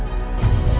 aku gak mau